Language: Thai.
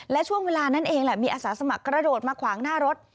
และช่วงเวลานั้นเองแหละมีอาสาสมัครกระโดดมาขวางหน้ารถ